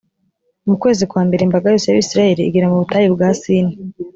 mu kwezi kwa mbere, imbaga yose y’abayisraheli igera mu butayu bwa sini,.